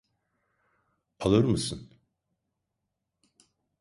Alır mısın?